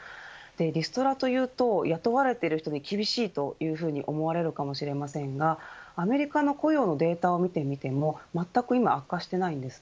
リストラというと雇われている人に厳しいというふうに思われるかもしれませんがアメリカの雇用のデータを見てみてもまったく今悪化していないんです。